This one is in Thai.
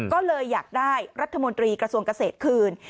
ก็เลยอยากได้รัฐมนตรีกระทรวงเกษตรคืน